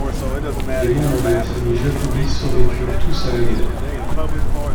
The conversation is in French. Les membres de la famille Jacoby survécurent tous à la guerre.